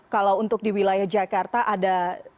kalau untuk di wilayah jakarta ada